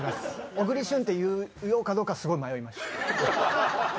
小栗旬って言おうかどうかすごい迷いました。